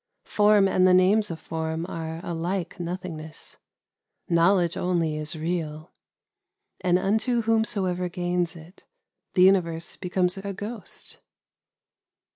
Form and the names of form are alike nothingness :— Knowledge only is real ; and unto whomsoever gains it, the universe becomes a ghost.